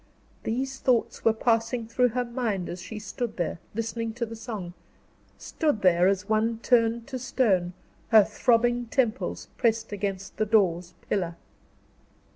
These thoughts were passing through her mind as she stood there, listening to the song; stood there as one turned to stone, her throbbing temples pressed against the door's pillar.